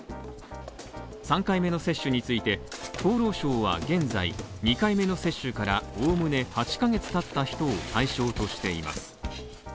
３回目の接種について、厚労省は現在、２回目の接種からおおむね８ヶ月経った人を対象としています。